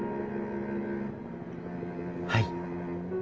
はい。